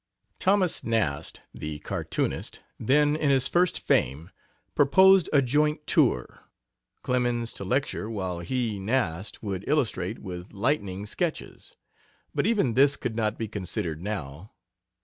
Thos. Nast, the cartoonist, then in his first fame, propped a joint tour, Clemens to lecture while he, Nast, would illustrate with "lightning" sketches; but even this could not be considered now.